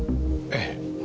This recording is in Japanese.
ええ。